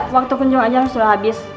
waktu kunjung aja harus udah habis